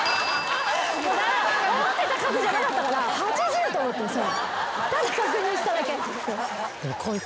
思ってた数じゃなかったから８０！？と思ってただ確認しただけ。